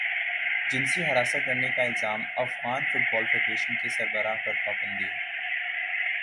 جنسی ہراساں کرنے کا الزام افغان فٹبال فیڈریشن کے سربراہ پر پابندی